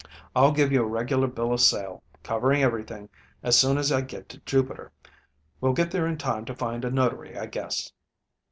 "I'll give you a regular bill of sale, covering everything, as soon as I get to Jupiter. We'll get there in time to find a notary, I guess."